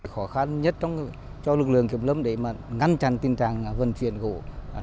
khó khăn nhất cho lực lượng kiểm lâm để ngăn chặn tình trạng vận chuyển gỗ